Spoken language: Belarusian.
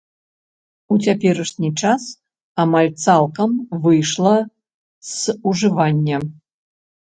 У цяперашні час амаль цалкам выйшла з ужывання.